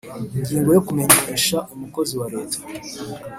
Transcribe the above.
Ingingo yo Kumenyesha umukozi wa Leta